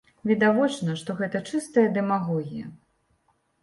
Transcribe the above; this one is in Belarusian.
Відавочна, што гэта чыстая дэмагогія.